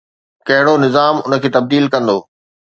ڪهڙو نظام ان کي تبديل ڪندو؟